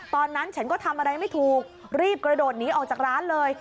ตอนนั้นฉันก็ทำอะไรไม่ถูกรีบกระโดดหนีออกจากร้านเลย